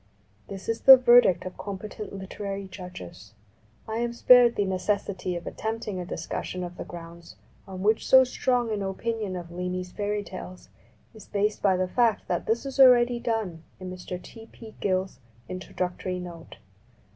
This is the verdict of competent literary judges. I am spared the necessity of attempting a dis cussion of the grounds on which so strong an opinion of Leamy's fairy tales is based by the fact that this is already done in Mr. T. P. Gill's In troductory Note.